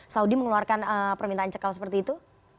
saudi mengeluarkan permintaan cekal seperti itu